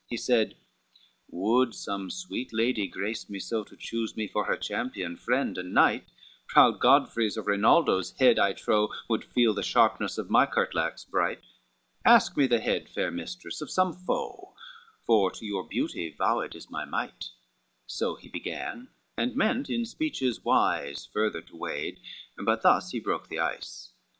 LXXVIII He said, "Would some sweet lady grace me so, To chose me for her champion, friend and knight, Proud Godfrey's or Rinaldo's head, I trow, Should feel the sharpness of my curtlax bright; Ask me the head, fair mistress, of some foe, For to your beauty wooed is my might;" So he began, and meant in speeches wise Further to wade, but thus he broke the ice.